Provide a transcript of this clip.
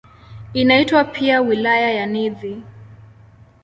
Inaitwa pia "Wilaya ya Nithi".